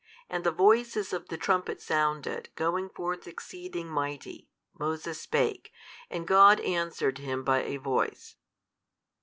And the voices of the trumpet sounded, going forth exceeding mighty, Moses spake, and God answered him by a voice.